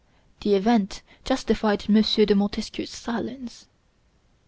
The event justified M. de Montesquieu's silence.